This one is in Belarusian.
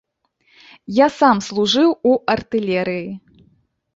Я сам служыў у артылерыі.